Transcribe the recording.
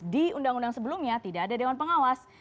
di undang undang sebelumnya tidak ada dewan pengawas